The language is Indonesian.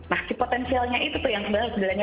nah si potensialnya itu tuh yang sebenarnya